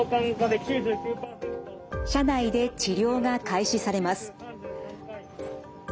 車内で治療が開始されます。